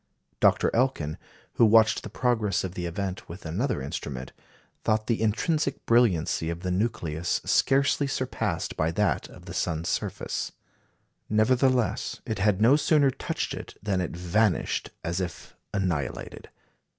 Dr. Elkin, who watched the progress of the event with another instrument, thought the intrinsic brilliancy of the nucleus scarcely surpassed by that of the sun's surface. Nevertheless it had no sooner touched it than it vanished as if annihilated.